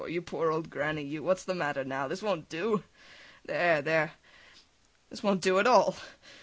You poor old granny, you, what's the matter now? This won't do! There, there, this won't do at all!